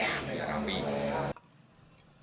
yang kedua adalah untuk penggresian lah